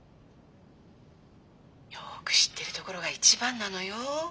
よく知ってるところが一番なのよ。